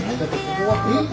えっ？